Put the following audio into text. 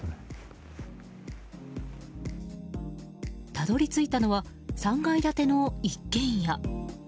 たどり着いたのは３階建ての一軒家。